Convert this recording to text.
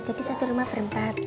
jadi satu rumah berempat